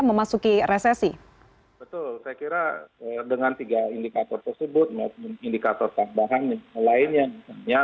betul saya kira dengan tiga indikator tersebut indikator tambahan lainnya